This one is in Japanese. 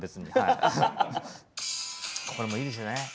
これもいいんですよね。